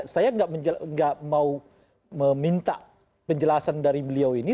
saya nggak mau meminta penjelasan dari beliau ini